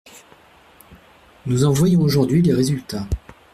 Nous en voyons aujourd’hui les résultats.